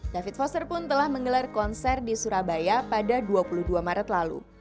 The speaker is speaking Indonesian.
david foster pun telah menggelar konser di surabaya pada dua puluh dua maret lalu